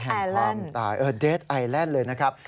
เกาะแห่งความตายเด็ดไอแลนด์เลยนะครับ